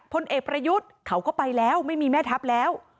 พลเอกประยุทธ์เขาก็ไปแล้วไม่มีแม่ทัพแล้ว